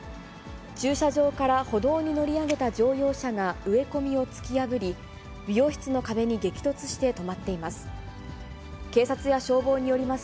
駐車場から歩道に乗り上げた乗用車が植え込みを突き破り、美容室の壁に激突して止まっています。